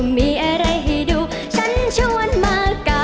ใจรองได้ช่วยกันรองด้วยนะคะ